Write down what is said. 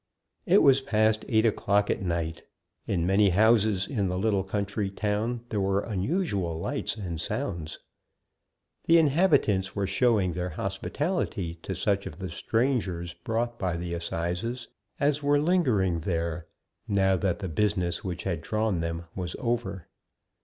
It was past eight o'clock at night. In many houses in the little country town there were unusual lights and sounds. The inhabitants were showing their hospitality to such of the strangers brought by the assizes, as were lingering there now that the business which had drawn them was over.